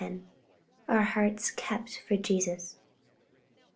Our hearts kept for Jesus.